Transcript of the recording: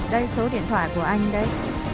đây số điện thoại của anh đấy